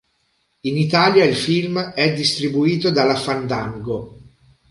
In Italia il film è distribuito dalla Fandango.